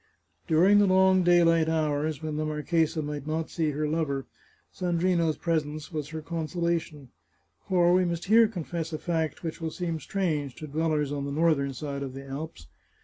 During the long daylight hours, when the marchesa might not see her lover, Sandrino's presence was her conso lation. For we must here confess a fact which will seem strange to dwellers on the northern side of the Alps.